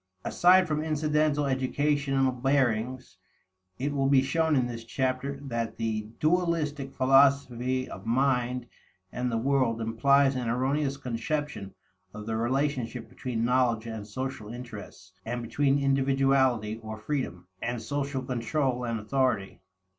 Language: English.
Aside from incidental educational bearings, it will be shown in this chapter that the dualistic philosophy of mind and the world implies an erroneous conception of the relationship between knowledge and social interests, and between individuality or freedom, and social control and authority.